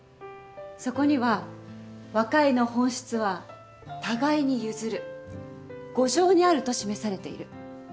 そこには和解の本質は互いに譲る互譲にあると示されている。